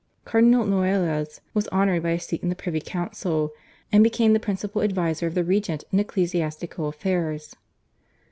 Cardinal Noailles was honoured by a seat in the privy council, and became the principal adviser of the regent in ecclesiastical affairs.